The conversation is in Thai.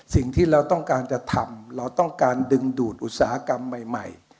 สิ่งที่เราต้องการจะทำเราต้องการดึงดูดอุตสาหกรรมใหม่